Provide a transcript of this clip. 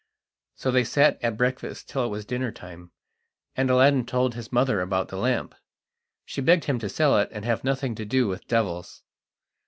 So they sat at breakfast till it was dinner time, and Aladdin told his mother about the lamp. She begged him to sell it, and have nothing to do with devils.